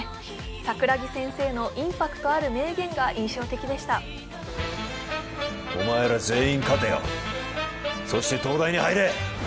桜木先生のインパクトある名言が印象的でしたお前ら全員勝てよそして東大に入れ！